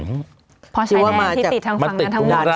เพราะชายแดนต้องมาจาก